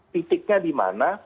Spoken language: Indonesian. titiknya di mana